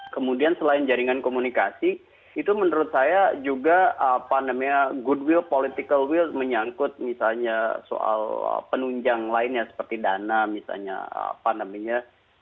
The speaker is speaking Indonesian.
kemudian selain jaringan komunikasi itu menurut saya juga apa namanya goodwill political will menyangkut misalnya soal penunjang lainnya seperti dana misalnya pandeminya